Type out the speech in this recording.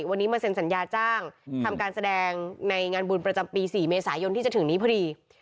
วันนี้มาเซ็นสัญญาจ้างทำการแสดงในงานบุญประจำปี๔เมษายนที่จะถึงนี้พอดี